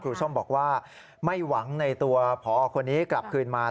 ส้มบอกว่าไม่หวังในตัวผอคนนี้กลับคืนมา